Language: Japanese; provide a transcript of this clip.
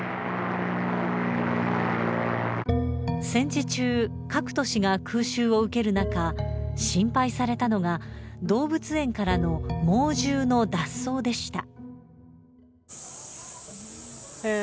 戦時中、各都市が空襲を受ける中心配されたのが、動物園からの猛獣の脱走でした。